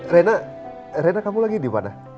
rena rena kamu lagi dimana